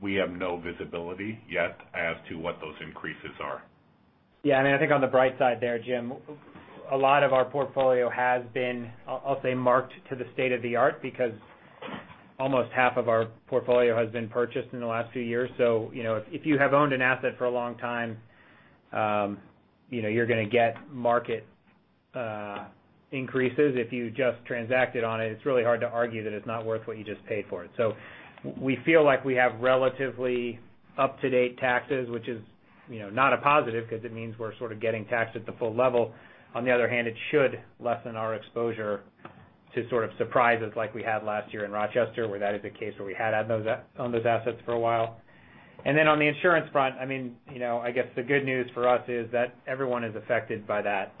we have no visibility yet as to what those increases are. Yeah. I think on the bright side there, Jim, a lot of our portfolio has been, I'll say, marked to the state of the art because almost half of our portfolio has been purchased in the last few years. If you have owned an asset for a long time, you're going to get market increases. If you just transacted on it's really hard to argue that it's not worth what you just paid for it. We feel like we have relatively up-to-date taxes, which is not a positive because it means we're sort of getting taxed at the full level. On the other hand, it should lessen our exposure to sort of surprises like we had last year in Rochester, where that is a case where we had owned those assets for a while. Then on the insurance front, I guess the good news for us is that everyone is affected by that.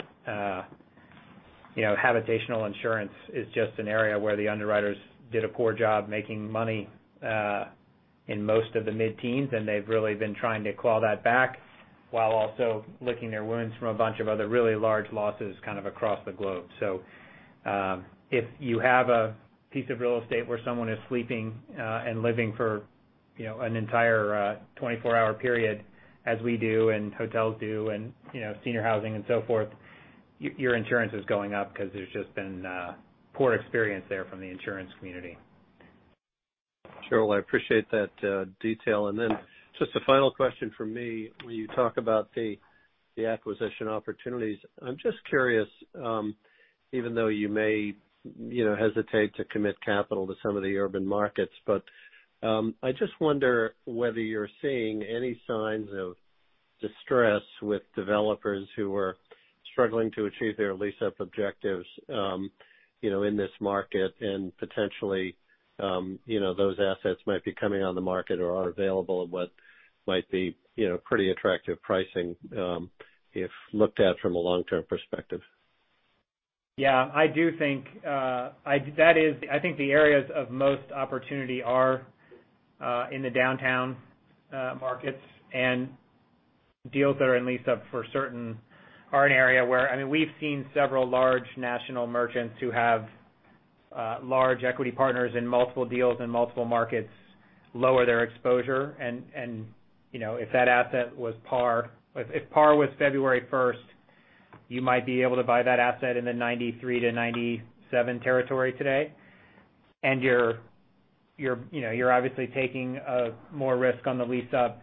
Habitational insurance is just an area where the underwriters did a poor job making money in most of the mid-teens, and they've really been trying to claw that back while also licking their wounds from a bunch of other really large losses across the globe. If you have a piece of real estate where someone is sleeping and living for an entire 24-hour period as we do and hotels do, and senior housing and so forth, your insurance is going up because there's just been poor experience there from the insurance community. Sure. Well, I appreciate that detail. Just a final question from me. When you talk about the acquisition opportunities, I am just curious, even though you may hesitate to commit capital to some of the urban markets, but I just wonder whether you are seeing any signs of distress with developers who are struggling to achieve their lease-up objectives in this market and potentially those assets might be coming on the market or are available at what might be pretty attractive pricing if looked at from a long-term perspective. Yeah, I think the areas of most opportunity are in the downtown markets and deals that are in lease-up for certain are an area where we've seen several large national merchants who have large equity partners in multiple deals in multiple markets lower their exposure. If that asset was par, if par was February 1st, you might be able to buy that asset in the 93-97 territory today, you're obviously taking more risk on the lease-up.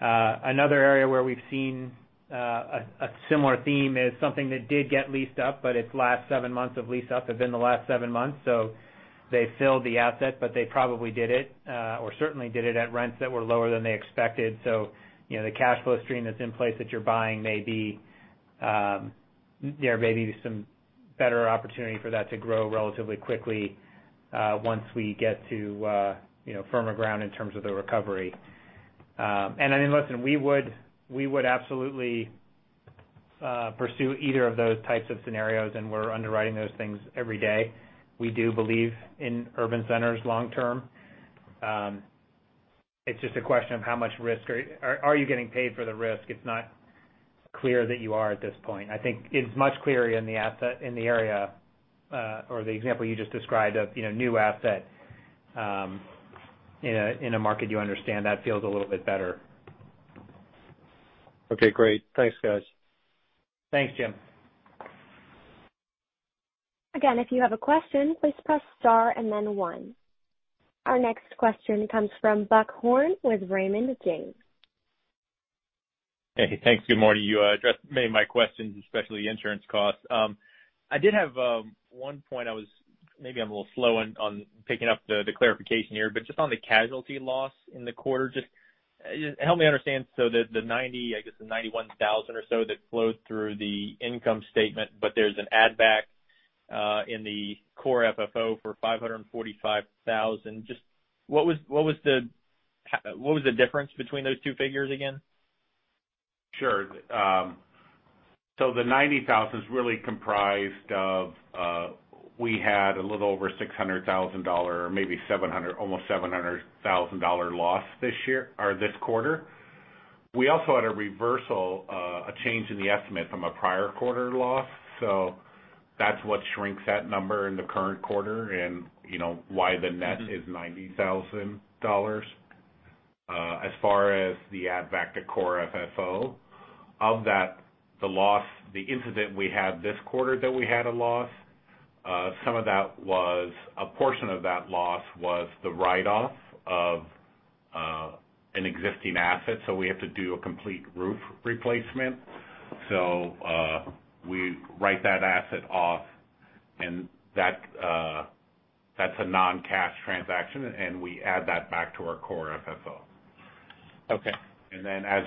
Another area where we've seen a similar theme is something that did get leased up, its last seven months of lease-up have been the last seven months. They filled the asset, they probably did it, or certainly did it at rents that were lower than they expected. The cash flow stream that's in place that you're buying, there may be some better opportunity for that to grow relatively quickly once we get to firmer ground in terms of the recovery. Listen, we would absolutely pursue either of those types of scenarios, and we're underwriting those things every day. We do believe in urban centers long-term. It's just a question of how much risk, or are you getting paid for the risk? It's not clear that you are at this point. I think it's much clearer in the area, or the example you just described of new asset in a market you understand. That feels a little bit better Okay, great. Thanks, guys. Thanks, Jim. Again if you have a question, please press star then one. Our next question comes from Buck Horne with Raymond James. Hey, thanks. Good morning. You addressed many of my questions, especially insurance costs. I did have one point I was Maybe I'm a little slow on picking up the clarification here. On the casualty loss in the quarter, just help me understand. The $90,000, I guess the $91,000 or so that flowed through the income statement, but there's an add back in the Core FFO for $545,000. Just what was the difference between those two figures again? Sure. The $90,000's really comprised of, we had a little over $600,000, or maybe almost $700,000 loss this quarter. We also had a reversal, a change in the estimate from a prior quarter loss. That's what shrinks that number in the current quarter and why the net is $90,000. As far as the add back to Core FFO, of that, the loss, the incident we had this quarter that we had a loss, a portion of that loss was the write-off of an existing asset. We have to do a complete roof replacement. We write that asset off, and that's a non-cash transaction, and we add that back to our Core FFO. Okay. Then as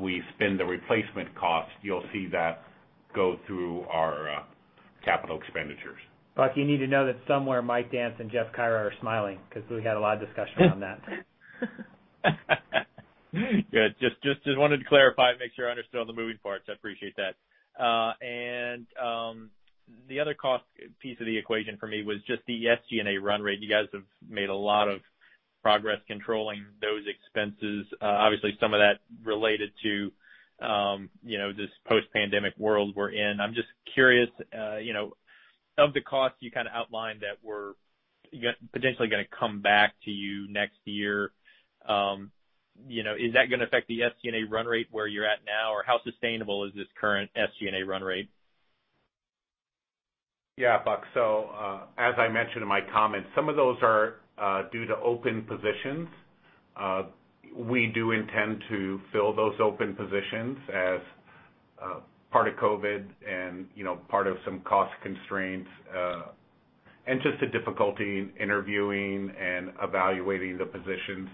we spend the replacement cost, you'll see that go through our capital expenditures. Buck, you need to know that somewhere Mike Dance and Jeff Caira are smiling because we had a lot of discussion on that. Good. Just wanted to clarify, make sure I understood all the moving parts. I appreciate that. The other cost piece of the equation for me was just the SG&A run rate. You guys have made a lot of progress controlling those expenses. Obviously, some of that related to this post-pandemic world we're in. I'm just curious, of the costs you outlined that were potentially going to come back to you next year, is that going to affect the SG&A run rate where you're at now? Or how sustainable is this current SG&A run rate? Yeah, Buck. As I mentioned in my comments, some of those are due to open positions. We do intend to fill those open positions as part of COVID and part of some cost constraints, and just the difficulty in interviewing and evaluating the positions.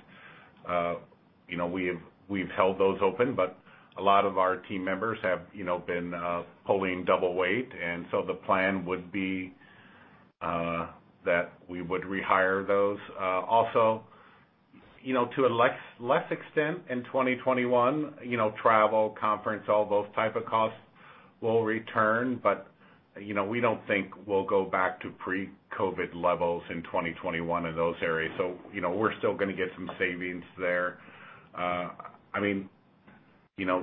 We've held those open, but a lot of our team members have been pulling double weight, and so the plan would be that we would rehire those. Also, to a less extent in 2021, travel, conference, all those type of costs will return. We don't think we'll go back to pre-COVID levels in 2021 in those areas. We're still going to get some savings there.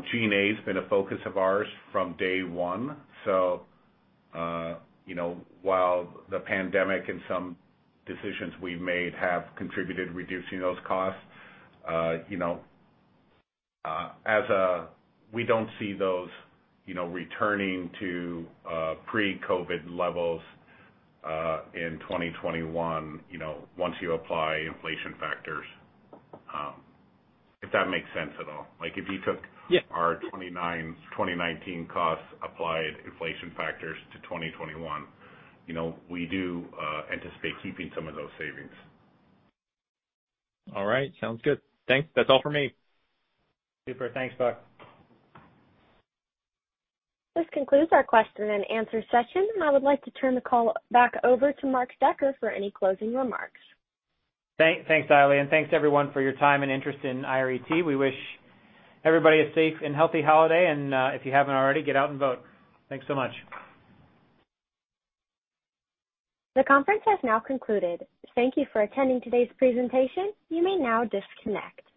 G&A's been a focus of ours from day one. While the pandemic and some decisions we've made have contributed reducing those costs, we don't see those returning to pre-COVID levels in 2021 once you apply inflation factors. If that makes sense at all. Yeah our 2019 costs, applied inflation factors to 2021. We do anticipate keeping some of those savings. All right. Sounds good. Thanks. That's all for me. Super. Thanks, Buck. This concludes our question-and-answer session, and I would like to turn the call back over to Mark Decker for any closing remarks. Thanks, Eily, and thanks everyone for your time and interest in IRET. We wish everybody a safe and healthy holiday, and if you haven't already, get out and vote. Thanks so much. The conference has now concluded. Thank you for attending today's presentation. You may now disconnect.